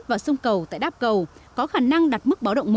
và sông cầu tại đắp cầu có khả năng đặt mức báo động một